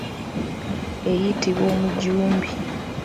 Eyitibwa omujumbi.